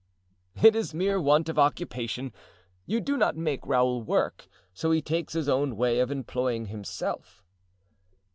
"It is mere want of occupation. You do not make Raoul work, so he takes his own way of employing himself."